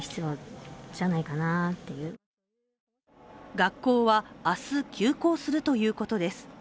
学校は、明日、休校するということです。